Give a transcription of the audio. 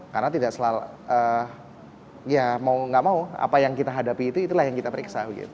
karena tidak selalu ya mau nggak mau apa yang kita hadapi itu itulah yang kita periksa gitu